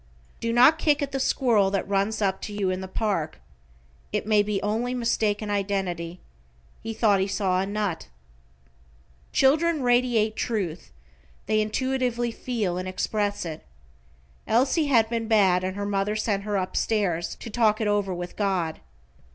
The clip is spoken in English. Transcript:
Do not kick at the squirrel that runs up to you in the park; it may be only mistaken identity he thought he saw a nut. Children radiate truth, they intuitively feel and express it. Elsie had been bad and her mother sent her upstairs to talk it over with God.